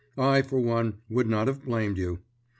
I, for one, would not have blamed you.